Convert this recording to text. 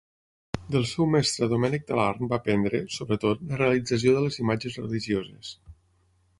Del seu mestre Domènec Talarn va aprendre, sobretot, la realització de les imatges religioses.